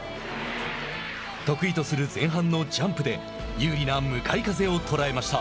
得意とする前半のジャンプで有利な向かい風を捉えました。